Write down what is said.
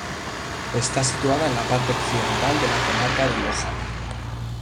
Está situada en la parte occidental de la comarca de Loja.